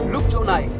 lúc chỗ này